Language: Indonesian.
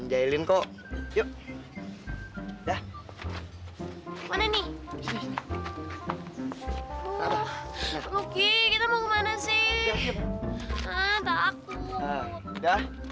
jahilin kok yuk dah mana nih kita mau kemana sih takut